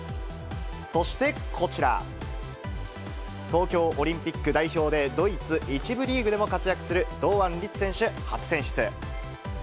そしてこちら、東京オリンピック代表で、ドイツ１部リーグでも活躍する堂安律選手、初選出。